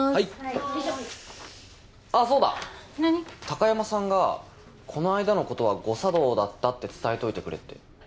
高山さんがこの間のことは誤作動だったって伝えといてくれって。